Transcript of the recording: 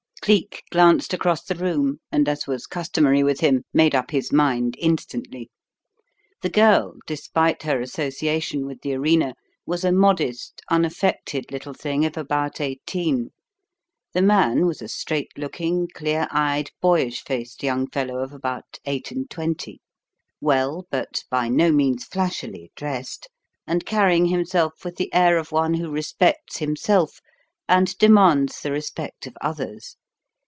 Cleek glanced across the room, and, as was customary with him, made up his mind instantly. The girl, despite her association with the arena, was a modest, unaffected little thing of about eighteen; the man was a straight looking, clear eyed, boyish faced young fellow of about eight and twenty; well, but by no means flashily, dressed, and carrying himself with the air of one who respects himself and demands the respect of others.